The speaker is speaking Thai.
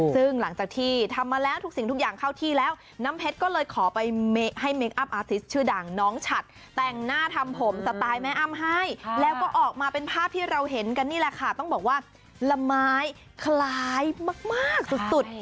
ซึ่งหลังจากที่ทำมาแล้วทุกสิ่งทุกอย่างเข้าที่แล้วน้ำเพชรก็เลยขอไปให้เมคอัพอาทิตชื่อดังน้องฉัดแต่งหน้าทำผมสไตล์แม่อ้ำให้แล้วก็ออกมาเป็นภาพที่เราเห็นกันนี่แหละค่ะต้องบอกว่าละไม้คล้ายมากสุด